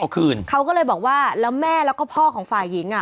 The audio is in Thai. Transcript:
เขาก็เลยบอกว่าแล้วแม่แล้วก็พ่อของฝ่ายหญิง